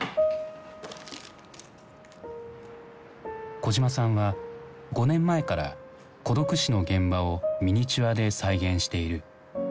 小島さんは５年前から孤独死の現場をミニチュアで再現している。